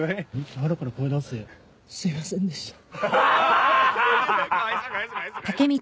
すいませんでした。